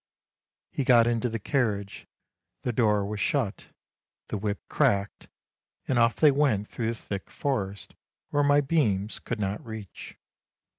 He got into the carriage, the door was shut, the whip cracked, and off they went through the thick forest, where my beams could not reach.